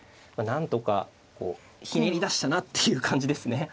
なんとかひねり出したなっていう感じですね。